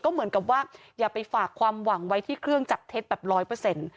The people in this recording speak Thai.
เหมือนกับว่าอย่าไปฝากความหวังไว้ที่เครื่องจับเท็จแบบร้อยเปอร์เซ็นต์